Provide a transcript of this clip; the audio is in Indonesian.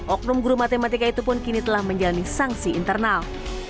oknum guru matematika itu pun kini telah menjalani sanksi internal